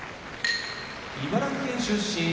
茨城県出身